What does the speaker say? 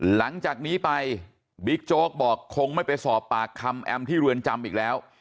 หลังจากนี้ไปบิ๊กโจ๊กบอกคงไม่ไปสอบปากคำแอมที่เรือนจำอีกแล้ว